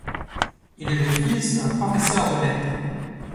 Il est le fils d'un professeur de lettres.